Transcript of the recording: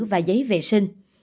và giấy vệ sinh